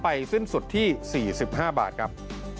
โปรดติดตามตอนต่อไป